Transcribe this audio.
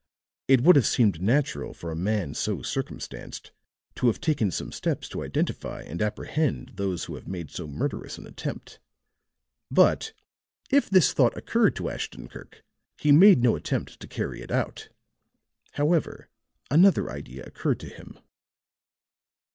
It would have seemed natural for a man so circumstanced to have taken some steps to identify and apprehend those who have made so murderous an attempt; but if this thought occurred to Ashton Kirk he made no attempt to carry it out. However, another idea occurred to him.